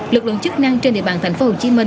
lực lượng chức năng trên địa bàn tp hcm